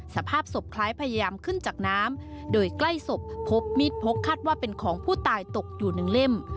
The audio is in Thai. สภาพศพคล้ายพยายามขึ้นจากน้ำโดยใกล้ศพพบมีดพกคาดว่าเป็นของผู้ตายตกอยู่หนึ่งเล่ม